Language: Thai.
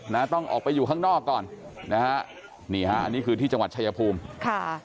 นะต้องออกไปอยู่ข้างนอกก่อนนะฮะนี่ฮะอันนี้คือที่จังหวัดชายภูมิค่ะ